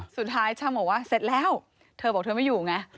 สุดท้ายช่างบอกว่าเสร็จแล้วเธอบอกว่าเธอไม่อยู่ไง